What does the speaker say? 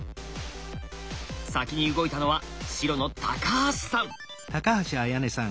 先に動いたのは白の橋さん。